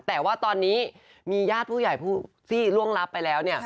แต่ว่าตอนนี้มีญาติผู้ใหญ่ผู้ที่ล่วงรับไปแล้ว